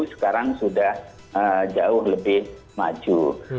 sekarang sudah jauh lebih maju